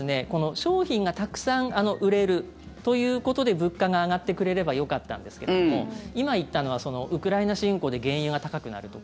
商品がたくさん売れるということで物価が上がってくれればよかったんですけども今、言ったのはウクライナ侵攻で原油が高くなるとか